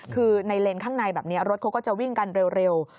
คือในเลนส์ข้างในแบบนี้รถเขาก็จะวิ่งกันเร็ว